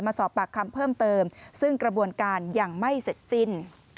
สอบปากคำเพิ่มเติมซึ่งกระบวนการยังไม่เสร็จสิ้น